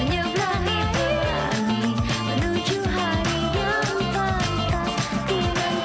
menyeblani perani menuju hari yang pantas